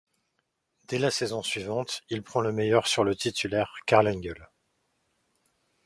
Dès la saison suivante, il prend le meilleur sur le titulaire Karl Engel.